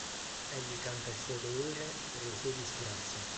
Egli canta il suo dolore per le sue disgrazie.